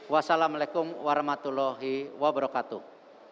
wassalamu'alaikum warahmatullahi wabarakatuh